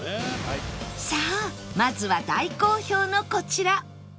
さあまずは大好評のこちら